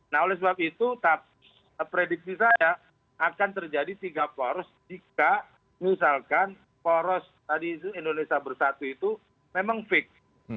nah oleh sebab itu prediksi saya akan terjadi tiga poros jika misalkan poros tadi itu indonesia bersatu itu memang fix